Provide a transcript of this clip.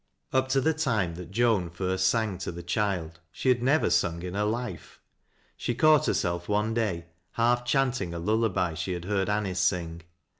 Up to the time that Jcau liiBt sang to the child, she had never sung in her life. She caught herself one day half chanting a lullaby she had heard Anice sing.